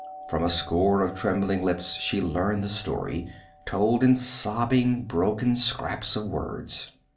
From a score of trembling lips she learned the story, told in sobbing, broken scraps of words.